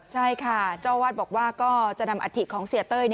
เจ้าอาวาสบอกว่าก็จะนำอัตถิของเซียเต้ย